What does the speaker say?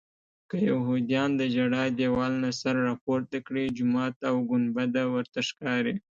که یهودیان د ژړا دیوال نه سر راپورته کړي جومات او ګنبده ورته ښکاري.